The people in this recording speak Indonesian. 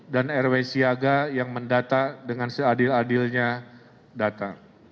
dan rw siaga yang mendata dengan seadil adilnya data